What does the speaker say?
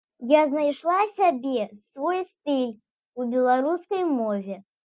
Я знайшла сябе, свой стыль у беларускай мове.